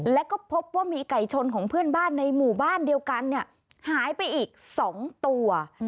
แล้วก็พบว่ามีไก่ชนของเพื่อนบ้านในหมู่บ้านเดียวกันหายไปอีก๒ตัว